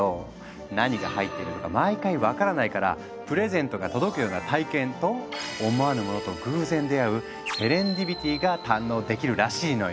何が入ってるのか毎回分からないから「プレゼントが届くような体験」と「思わぬものと偶然出会うセレンディピティ」が堪能できるらしいのよ。